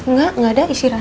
nggak gak ada isi rahat